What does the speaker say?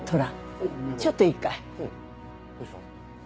どうしたの？